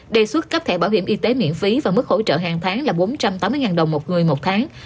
đề xuất cấp thẻ bảo hiểm y tế miễn phí và mức hỗ trợ hàng tháng là bốn trăm tám mươi đồng một người một tháng